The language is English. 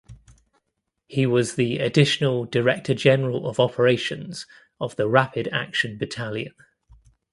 He was the Additional Director General of Operations of the Rapid Action Battalion.